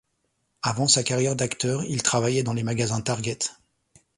Avant sa carrière d'acteur, il travaillait dans les magasins Target.